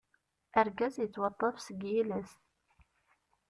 Argaz yettwaṭṭaf seg yiles.